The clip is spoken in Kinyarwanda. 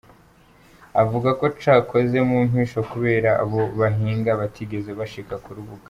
Avuga ko cakozwe mu mpisho kubera abo bahinga batigeze bashika ku rubuga.